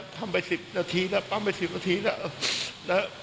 ทำไป๑๐นาทีแล้วปั๊มไป๑๐นาทีแล้ว